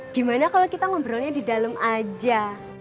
gimana kalau kita ngobrolnya di dalam aja